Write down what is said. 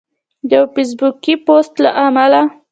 د یو فیسبوکي پوسټ له امله